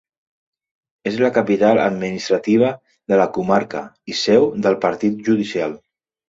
És la capital administrativa de la comarca i seu del partit judicial.